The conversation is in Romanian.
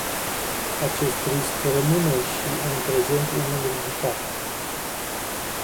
Acest risc rămâne și în prezent unul ridicat.